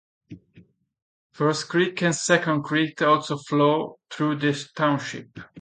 First Creek and Second Creek also flow through the township.